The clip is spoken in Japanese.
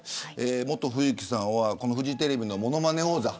モト冬樹さんはフジテレビのものまね王座。